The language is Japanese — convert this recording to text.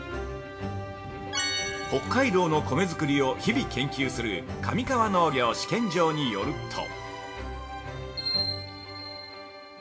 北海道の米作りを日々研究する上川農業試験場によると？